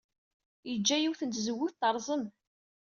Yeǧǧa yiwet n tzewwut terẓem.